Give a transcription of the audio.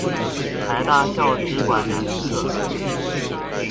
臺大校史館南側